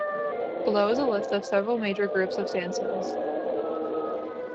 Below is a list of several major groups of sandstones.